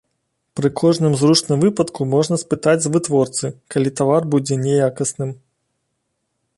Пры кожным зручным выпадку можна спытаць з вытворцы, калі тавар будзе няякасным.